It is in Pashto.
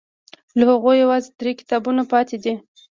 له هغوی یوازې درې کتابونه پاتې دي.